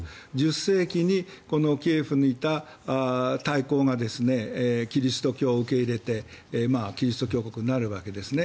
１０世紀にキエフにいた大公がキリスト教を受け入れてキリスト教国になるわけですね。